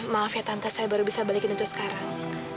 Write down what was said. maaf ya tante saya baru bisa balikin untuk sekarang